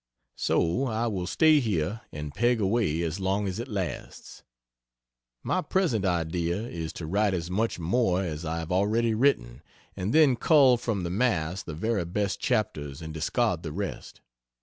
So I will stay here and peg away as long as it lasts. My present idea is to write as much more as I have already written, and then cull from the mass the very best chapters and discard the rest.